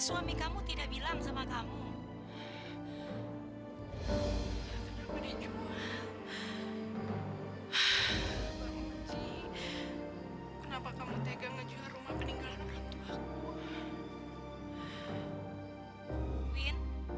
sampai jumpa di video selanjutnya